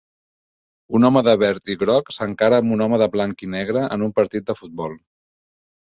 Un home de verd i groc s'encara amb un home de blanc i negre en un partit de futbol.